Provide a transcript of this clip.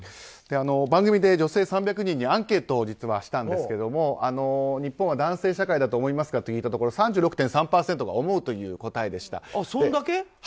番組で女性３００人にアンケートを実はしたんですけど日本は男性社会だと思いますかと聞いたところ３６．３％が思うという答えでした。